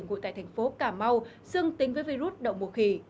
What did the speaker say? ngụy tại thành phố cà mau xương tính với virus động mùa khỉ